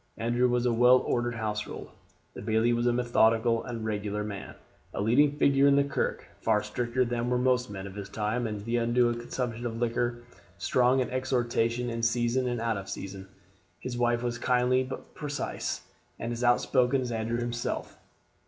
Andrew's was a well ordered household. The bailie was methodical and regular, a leading figure in the kirk, far stricter than were most men of his time as to undue consumption of liquor, strong in exhortation in season and out of season. His wife was kindly but precise, and as outspoken as Andrew himself.